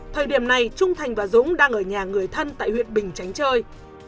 thời điểm này trung thành và dũng đang ở nhà người thân tại huyện bình chánh chơi